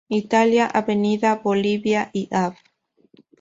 Italia, Avenida Bolivia y Av.